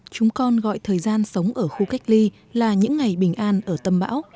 chúng con gọi thời gian sống ở khu cách ly là những ngày bình an ở tâm bão